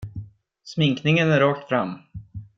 Sminkningen är rakt fram.